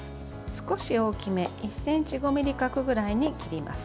少し大きめ１ｃｍ５ｍｍ角ぐらいに切ります。